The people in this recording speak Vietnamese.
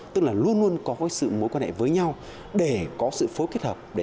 tức là luôn luôn có sự mối quan hệ với nhau để có sự phối kết hợp